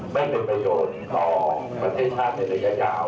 ไม่เป็นประโยชน์ต่อประเทศชาติในระยะยาว